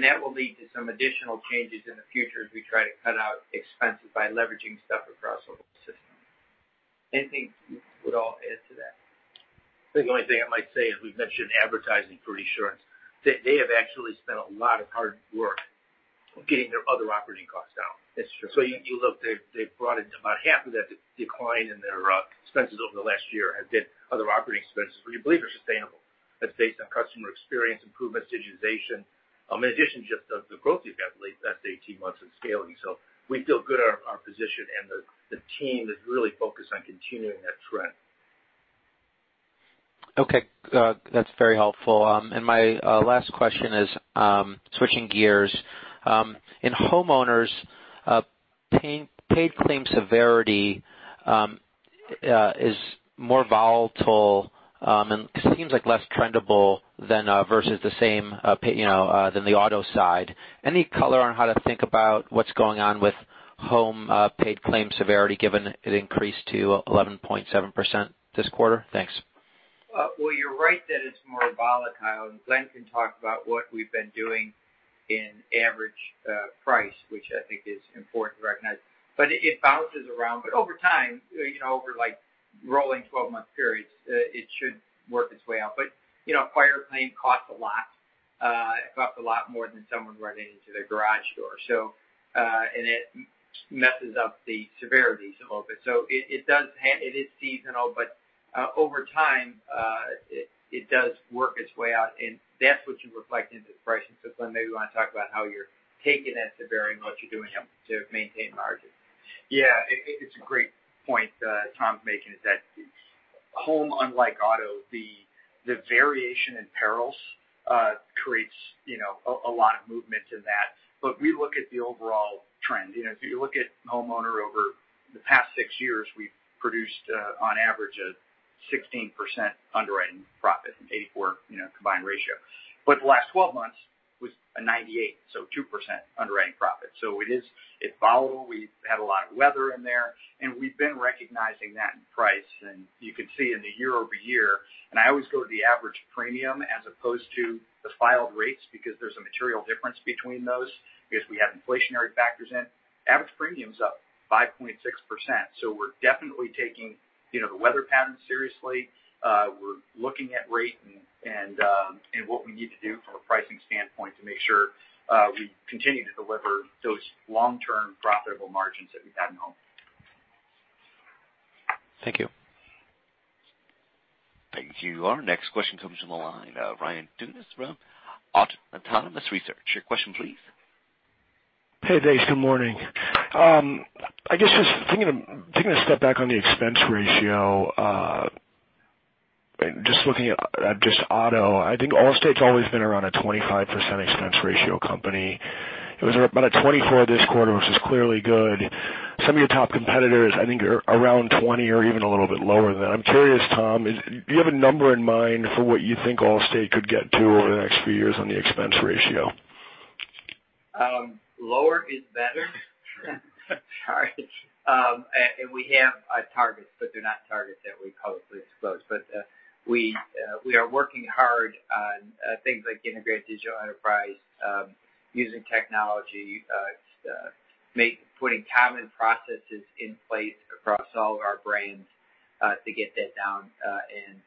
That will lead to some additional changes in the future as we try to cut out expenses by leveraging stuff across our system. Anything you would all add to that? The only thing I might say is we've mentioned advertising for Esurance. They have actually spent a lot of hard work getting their other operating costs down. That's true. You look, they've brought it to about half of that decline in their expenses over the last year has been other operating expenses we believe are sustainable. That's based on customer experience improvements, digitization, in addition to just the growth we've had the last 18 months in scaling. We feel good our position and the team is really focused on continuing that trend. Okay, that's very helpful. My last question is, switching gears. In homeowners, paid claim severity is more volatile, and seems like less trendable versus the same than the auto side. Any color on how to think about what's going on with home paid claim severity, given it increased to 11.7% this quarter? Thanks. You're right that it's more volatile, and Glenn can talk about what we've been doing in average price, which I think is important to recognize. It bounces around. Over time, over rolling 12-month periods, it should work its way out. A fire claim costs a lot. It costs a lot more than someone running into their garage door. It messes up the severities a little bit. It is seasonal, but over time, it does work its way out, and that's what you reflect into the pricing. Glenn, maybe you want to talk about how you're taking that severity and what you're doing to maintain margins. Yeah. It's a great point Tom's making is that home, unlike auto, the variation in perils creates a lot of movement in that. We look at the overall trend. If you look at homeowner over the past six years, we've produced, on average, a 16% underwriting profit and 84 combined ratio. The last 12 months was a 98, so 2% underwriting profit. It is volatile. We've had a lot of weather in there, and we've been recognizing that in price. You can see in the year-over-year, and I always go to the average premium as opposed to the filed rates because there's a material difference between those because we have inflationary factors in. Average premium's up 5.6%, so we're definitely taking the weather patterns seriously. We're looking at rate and what we need to do from a pricing standpoint to make sure we continue to deliver those long-term profitable margins that we've had in home. Thank you. Thank you. Our next question comes from the line of Ryan Tunis from Autonomous Research. Your question, please. Hey, Dave. Good morning. I guess just taking a step back on the expense ratio, just looking at just auto, I think Allstate's always been around a 25% expense ratio company. It was about a 24 this quarter, which is clearly good. Some of your top competitors, I think, are around 20 or even a little bit lower than that. I'm curious, Tom, do you have a number in mind for what you think Allstate could get to over the next few years on the expense ratio? Lower is better. Sure. Sorry. We have targets, but they're not targets that we publicly expose. We are working hard on things like integrated digital enterprise using technology, putting common processes in place across all of our brands to get that down, and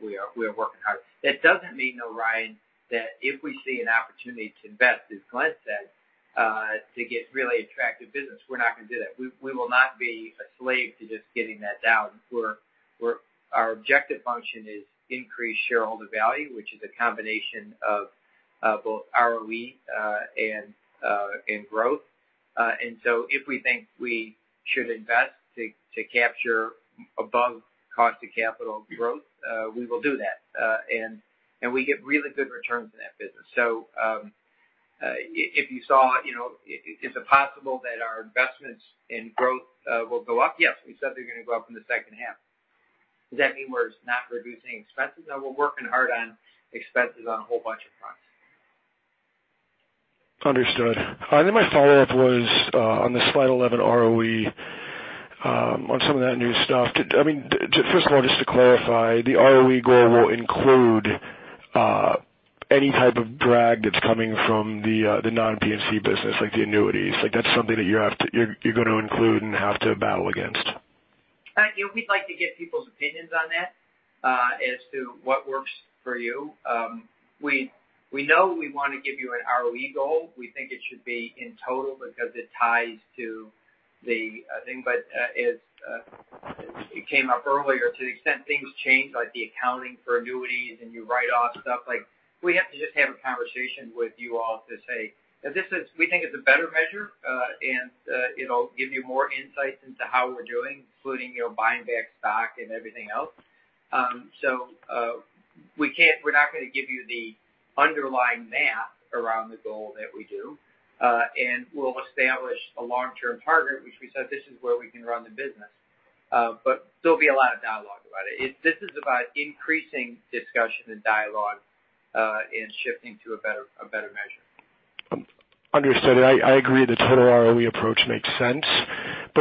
we are working hard. That doesn't mean, though, Ryan, that if we see an opportunity to invest, as Glenn said, to get really attractive business, we're not going to do that. We will not be a slave to just getting that down. Our objective function is increase shareholder value, which is a combination of both ROE and growth. If we think we should invest to capture above cost of capital growth, we will do that. We get really good returns in that business. If you saw, is it possible that our investments in growth will go up? Yes. We said they're going to go up in the second half. Does that mean we're not reducing expenses? No, we're working hard on expenses on a whole bunch of fronts. Understood. My follow-up was on the slide 11 ROE, on some of that new stuff. First of all, just to clarify, the ROE goal will include any type of drag that's coming from the non-P&C business, like the annuities. That's something that you're going to include and have to battle against? We'd like to get people's opinions on that as to what works for you. We know we want to give you an ROE goal. We think it should be in total because it ties to the thing. It came up earlier to the extent things change, like the accounting for annuities and you write off stuff, we have to just have a conversation with you all to say that we think it's a better measure, and it'll give you more insights into how we're doing, including buying back stock and everything else. We're not going to give you the underlying math around the goal that we do. We'll establish a long-term target, which we said this is where we can run the business. There'll be a lot of dialogue about it. This is about increasing discussion and dialogue and shifting to a better measure. Understood. I agree the total ROE approach makes sense,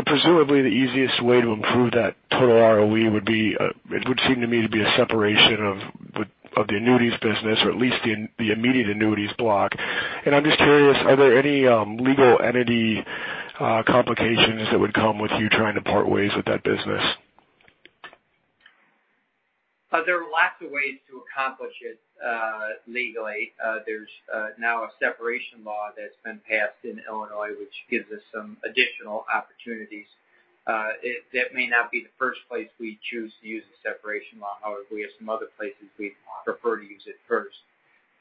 presumably the easiest way to improve that total ROE would seem to me to be a separation of the annuities business, or at least the immediate annuities block. I'm just curious, are there any legal entity complications that would come with you trying to part ways with that business? There are lots of ways to accomplish it legally. There's now a separation law that's been passed in Illinois, which gives us some additional opportunities. That may not be the first place we choose to use a separation law. However, we have some other places we'd prefer to use it first.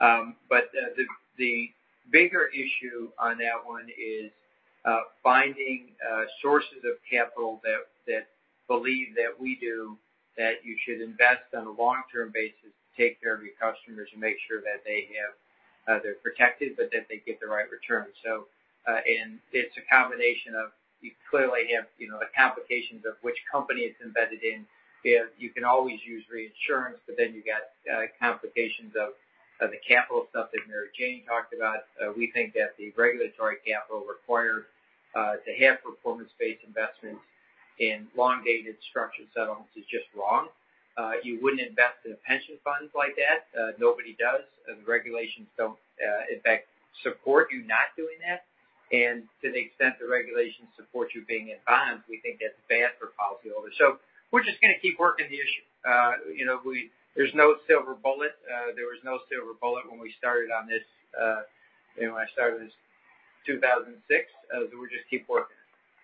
The bigger issue on that one is finding sources of capital that believe that we do, that you should invest on a long-term basis to take care of your customers and make sure that they're protected, but that they get the right return. It's a combination of, you clearly have the complications of which company it's embedded in. You can always use reinsurance, but then you got complications of the capital stuff that Mary Jane talked about. We think that the regulatory capital required to have performance-based investments in long-dated structured settlements is just wrong. You wouldn't invest in pension funds like that. Nobody does. The regulations don't, in fact, support you not doing that. To the extent the regulations support you being in bonds, we think that's bad for policyholders. We're just going to keep working the issue. There's no silver bullet. There was no silver bullet when we started on this in 2006. We'll just keep working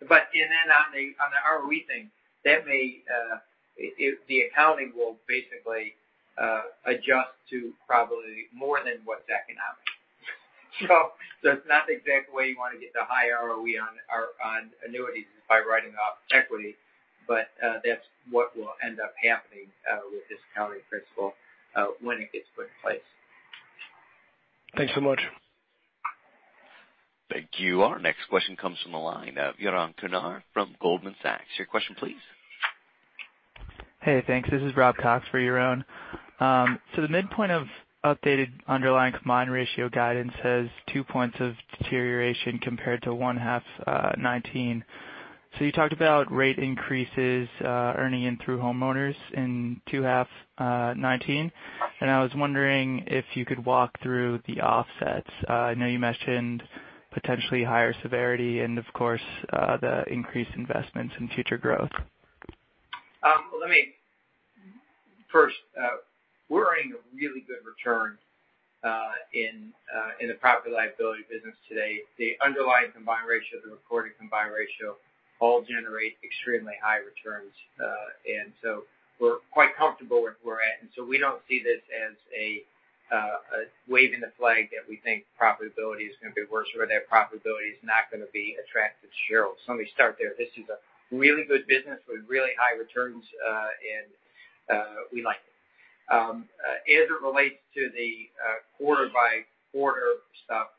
it. On the ROE thing, the accounting will basically adjust to probably more than what's economic. It's not exactly where you want to get the high ROE on annuities is by writing off equity. That's what will end up happening with this accounting principle when it gets put in place. Thanks so much. Thank you. Our next question comes from the line of Yaron Kinar from Goldman Sachs. Your question, please. Hey, thanks. This is Robert Cox for Yaron. The midpoint of updated underlying combined ratio guidance has two points of deterioration compared to one half 2019. You talked about rate increases earning in through homeowners in two half 2019. I was wondering if you could walk through the offsets. I know you mentioned potentially higher severity and of course, the increased investments in future growth. Let me first, we're earning a really good return in the Property-Liability business today. The underlying combined ratio, the recorded combined ratio all generate extremely high returns. We're quite comfortable where we're at, we don't see this as waving a flag that we think profitability is going to be worse or that profitability is not going to be attractive to shareholders. Let me start there. This is a really good business with really high returns, and we like it. As it relates to the quarter-by-quarter stuff,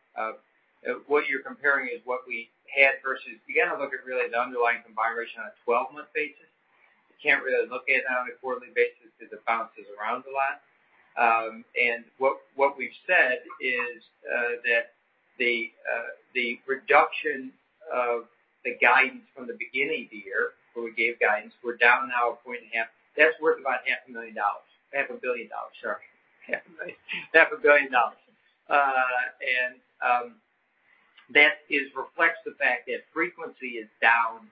what you're comparing is what we had versus you got to look at really the underlying combined ratio on a 12-month basis. You can't really look at it on a quarterly basis because it bounces around a lot. What we've said is that the reduction Of the guidance from the beginning of the year, when we gave guidance, we're down now a point and a half. That's worth about half a billion dollars. That reflects the fact that frequency is down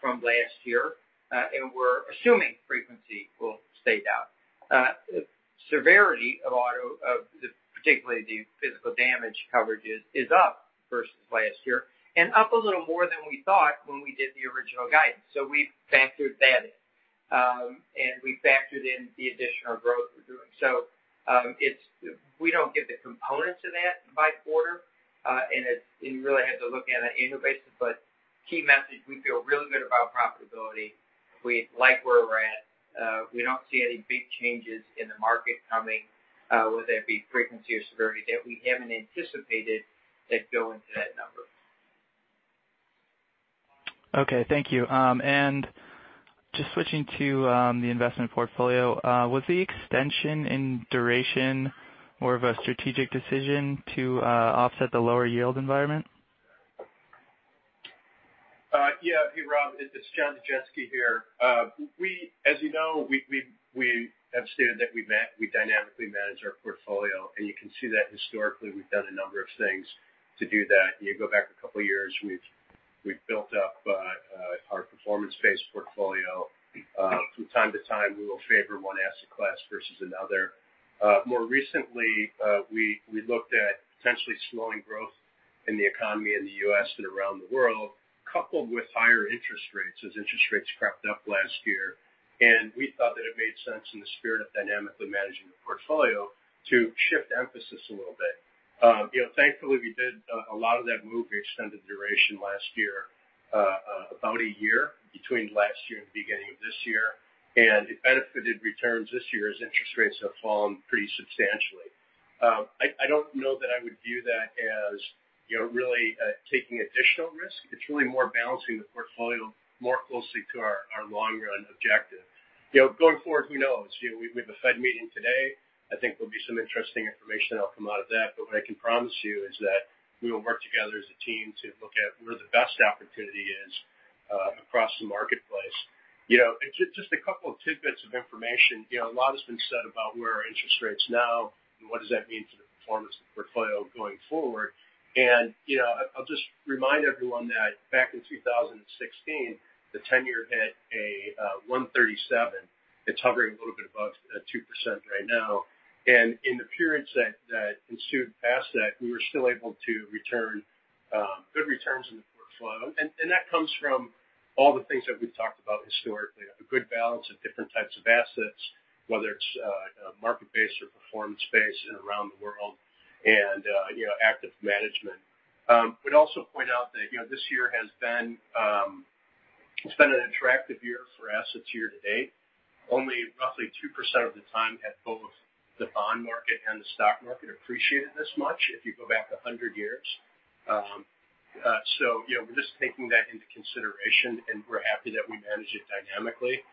from last year, and we're assuming frequency will stay down. Severity of auto, particularly the physical damage coverage, is up versus last year, and up a little more than we thought when we did the original guidance. We factored that in, and we factored in the additional growth we're doing. We don't give the components of that by quarter. You really have to look at it annual basis, but key message, we feel really good about profitability. We like where we're at. We don't see any big changes in the market coming, whether it be frequency or severity, that we haven't anticipated that go into that number. Okay. Thank you. Just switching to the investment portfolio. Was the extension in duration more of a strategic decision to offset the lower yield environment? Yeah. Hey, Rob. It's John Jajewski here. As you know, we have stated that we dynamically manage our portfolio, and you can see that historically, we've done a number of things to do that. You go back a couple of years, we've built up our performance-based portfolio. From time to time, we will favor one asset class versus another. More recently, we looked at potentially slowing growth in the economy in the U.S. and around the world, coupled with higher interest rates as interest rates crept up last year. We thought that it made sense in the spirit of dynamically managing the portfolio to shift emphasis a little bit. Thankfully, we did a lot of that move to extend the duration last year, about a year between last year and the beginning of this year, and it benefited returns this year as interest rates have fallen pretty substantially. I don't know that I would view that as really taking additional risk. It's really more balancing the portfolio more closely to our long-run objective. Going forward, who knows? We have a Federal Reserve meeting today. I think there'll be some interesting information that'll come out of that. What I can promise you is that we will work together as a team to look at where the best opportunity is across the marketplace. Just a couple of tidbits of information. A lot has been said about where our interest rate's now, and what does that mean for the performance of the portfolio going forward. I'll just remind everyone that back in 2016, the 10-year hit 1.37%. It's hovering a little bit above 2% right now. In the periods that ensued past that, we were still able to return good returns in the portfolio. That comes from all the things that we've talked about historically. A good balance of different types of assets, whether it's market-based or performance-based and around the world, and active management. Would also point out that this year it's been an attractive year for assets year to date. Only roughly 2% of the time had both the bond market and the stock market appreciated this much if you go back 100 years. We're just taking that into consideration, and we're happy that we manage it dynamically.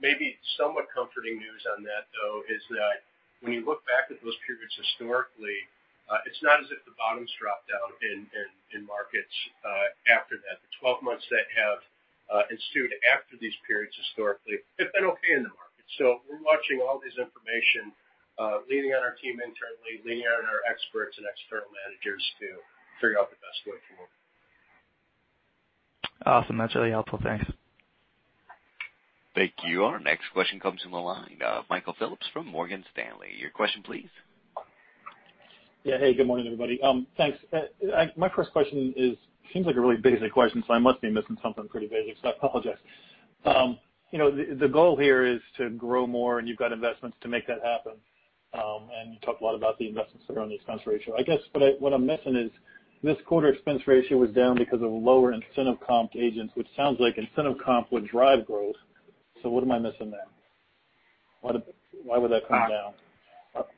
Maybe somewhat comforting news on that, though, is that when you look back at those periods historically, it's not as if the bottoms dropped out in markets after that. The 12 months that have ensued after these periods historically have been okay in the market. We're watching all this information, leaning on our team internally, leaning on our experts and external managers to figure out the best way forward. Awesome. That's really helpful. Thanks. Thank you. Our next question comes from the line of Michael Phillips from Morgan Stanley. Your question, please. Yeah. Hey, good morning, everybody. Thanks. My first question seems like a really basic question, I must be missing something pretty basic, so I apologize. The goal here is to grow more, you've got investments to make that happen. You talked a lot about the investments around the expense ratio. I guess what I'm missing is this quarter expense ratio was down because of lower incentive comp to agents, which sounds like incentive comp would drive growth. What am I missing there? Why would that come down?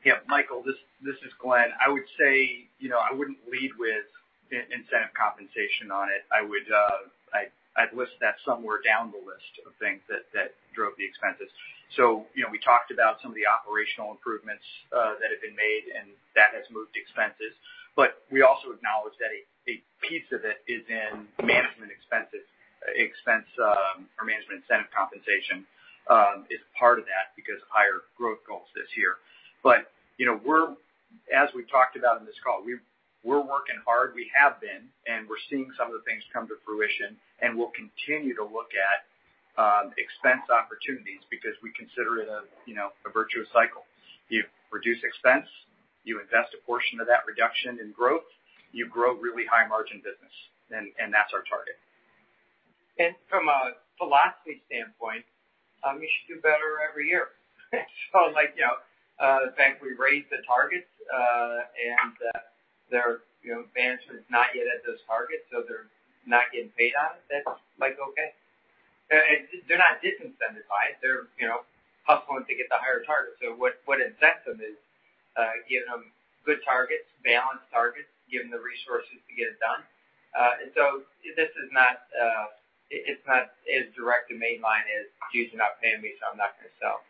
Yeah. Michael, this is Glenn. I would say, I wouldn't lead with incentive compensation on it. I'd list that somewhere down the list of things that drove the expenses. We talked about some of the operational improvements that have been made, and that has moved expenses. We also acknowledge that a piece of it is in management incentive compensation, is part of that because of higher growth goals this year. As we've talked about in this call, we're working hard. We have been, and we're seeing some of the things come to fruition, and we'll continue to look at expense opportunities because we consider it a virtuous cycle. You reduce expense, you invest a portion of that reduction in growth, you grow really high margin business, and that's our target. From a philosophy standpoint, we should do better every year. Like, the fact we raised the targets, and their advancement is not yet at those targets, so they're not getting paid on it, that's like, okay. They're not disincentivized. They're hustling to get the higher target. What incentives is give them good targets, balanced targets, give them the resources to get it done. This is not as direct a mainline as, "Dude's not paying me, so I'm not going to sell.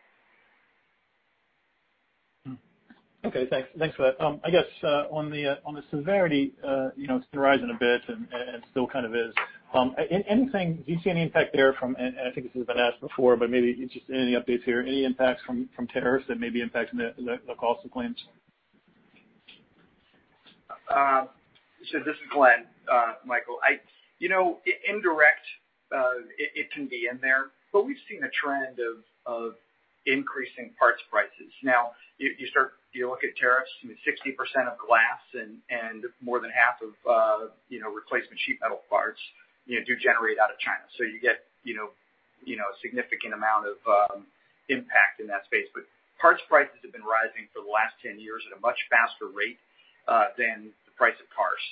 Okay, thanks for that. I guess, on the severity, it's been rising a bit and still kind of is. Do you see any impact there from, and I think this has been asked before, but maybe just any updates here, any impacts from tariffs that may be impacting the cost of claims? This is Glenn. Michael, indirect, it can be in there. We've seen a trend of increasing parts prices. You look at tariffs, I mean, 60% of glass and more than half of replacement sheet metal parts do generate out of China. You get a significant amount of impact in that space. Parts prices have been rising for the last 10 years at a much faster rate than the price of cars.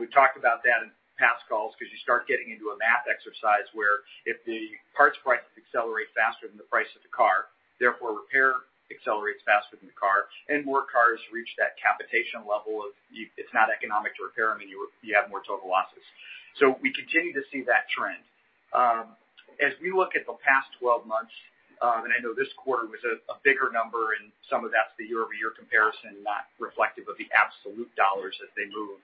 We've talked about that in past calls because you start getting into a math exercise where if the parts prices accelerate faster than the price of the car, therefore, repair accelerates faster than the car, and more cars reach that capitation level of it's not economic to repair them, and you have more total losses. We continue to see that trend. As we look at the past 12 months, I know this quarter was a bigger number, and some of that's the year-over-year comparison, not reflective of the absolute dollars as they move.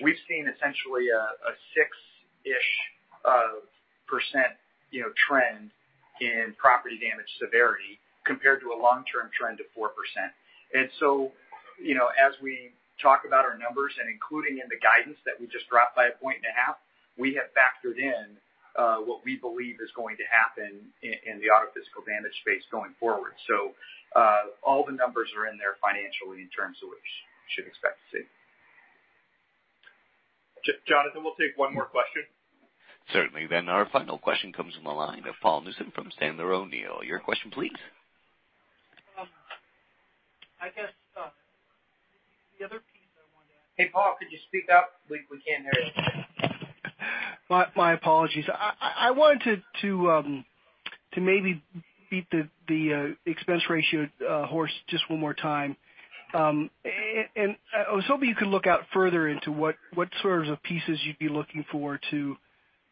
We've seen essentially a 6-ish% trend in property damage severity compared to a long-term trend of 4%. As we talk about our numbers and including in the guidance that we just dropped by a point and a half, we have factored in what we believe is going to happen in the auto physical damage space going forward. All the numbers are in there financially in terms of what you should expect to see. Jonathan, we'll take one more question. Certainly. Our final question comes from the line of Paul Newsome from Sandler O'Neill. Your question please. I guess, the other piece I wanted to ask- Hey, Paul, could you speak up? We can't hear you. My apologies. I wanted to maybe beat the expense ratio horse just one more time. I was hoping you could look out further into what sorts of pieces you'd be looking for to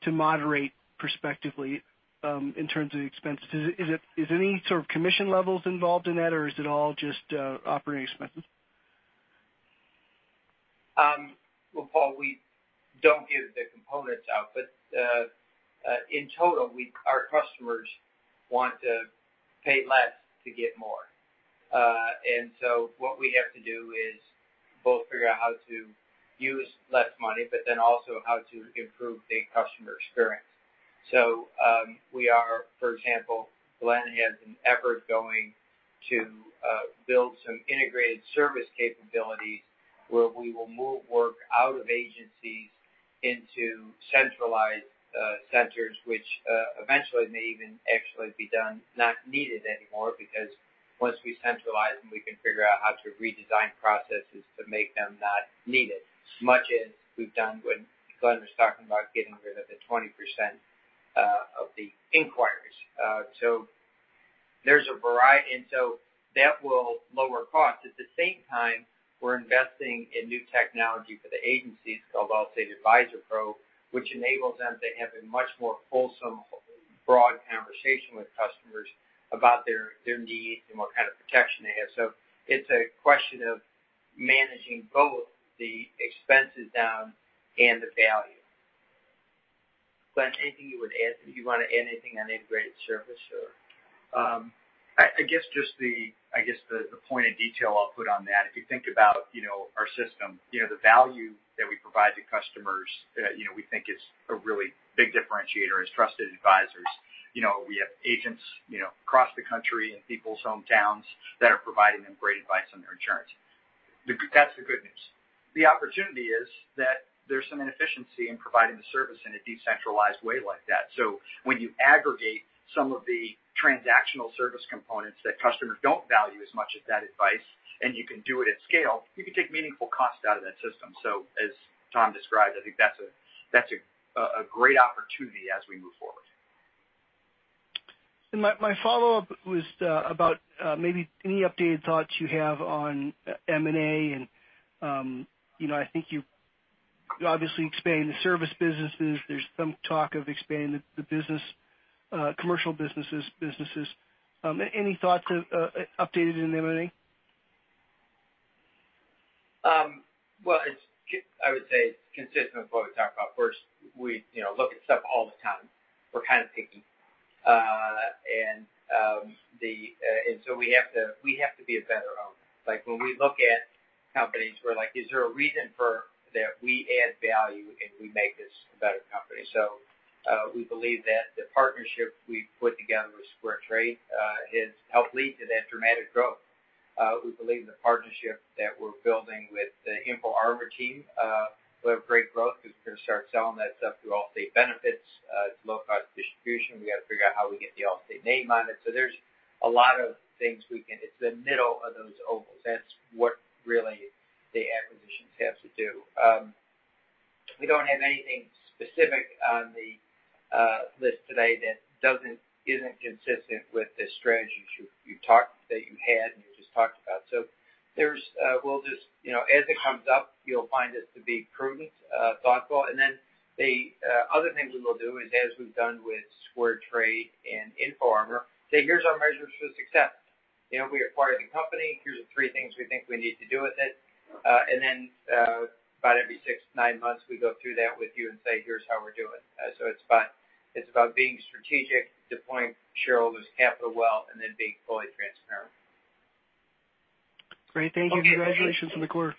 moderate perspectively, in terms of the expenses. Is any sort of commission levels involved in that, or is it all just operating expenses? Well, Paul, we don't give the components out, but in total, our customers want to pay less to get more. What we have to do is both figure out how to use less money, also how to improve the customer experience. We are, for example, Glenn has an effort going to build some integrated service capabilities where we will move work out of agencies into centralized centers, which, eventually may even actually be not needed anymore because once we centralize them, we can figure out how to redesign processes to make them not needed as much as we've done when Glenn was talking about getting rid of the 20% of the inquiries. That will lower costs. At the same time, we're investing in new technology for the agencies called Allstate Advisor Pro, which enables them to have a much more fulsome, broad conversation with customers about their needs and what kind of protection they have. It's a question of managing both the expenses down and the value. Glenn, anything you would add? Do you want to add anything on integrated service, or? I guess the point of detail I'll put on that, if you think about our system, the value that we provide to customers, we think is a really big differentiator as trusted advisors. We have agents across the country in people's hometowns that are providing them great advice on their insurance. That's the good news. The opportunity is that there's some inefficiency in providing the service in a decentralized way like that. When you aggregate some of the transactional service components that customers don't value as much as that advice, and you can do it at scale, you can take meaningful cost out of that system. As Tom described, I think that's a great opportunity as we move forward. My follow-up was about maybe any updated thoughts you have on M&A and, I think you obviously expanding the service businesses. There's some talk of expanding the commercial businesses. Any thoughts of updated in M&A? I would say it's consistent with what we talked about first. We look at stuff all the time. We're kind of picky. We have to be a better owner. Like when we look at companies, we're like, is there a reason that we add value and we make this a better company? We believe that the partnership we've put together with SquareTrade has helped lead to that dramatic growth. We believe the partnership that we're building with the InfoArmor team will have great growth because we're going to start selling that stuff through Allstate Benefits. It's low-cost distribution. We got to figure out how we get the Allstate name on it. There's a lot of things we can, it's the middle of those ovals. That's what really the acquisitions have to do. We don't have anything specific on the list today that isn't consistent with the strategies that you had and you just talked about. As it comes up, you'll find us to be prudent, thoughtful, and then the other things we will do is as we've done with SquareTrade and InfoArmor, say, "Here's our measures for success." We acquired the company. Here's the three things we think we need to do with it. About every six to nine months, we go through that with you and say, "Here's how we're doing." It's about being strategic, deploying shareholders' capital well, and then being fully transparent. Great. Thank you. Congratulations on the quarter.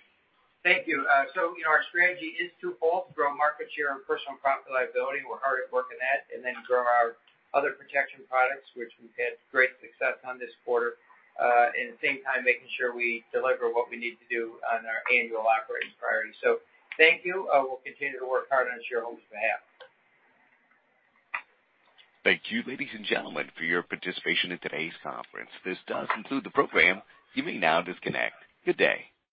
Thank you. Our strategy is twofold, grow market share and personal property-liability. We're hard at work in that. Grow our other protection products, which we've had great success on this quarter. At the same time, making sure we deliver what we need to do on our annual operating priorities. Thank you. We'll continue to work hard on shareholders' behalf. Thank you, ladies and gentlemen, for your participation in today's conference. This does conclude the program. You may now disconnect. Good day.